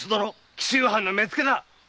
紀州藩の目付だ！